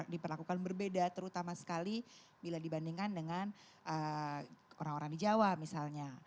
diperlakukan berbeda terutama sekali bila dibandingkan dengan orang orang di jawa misalnya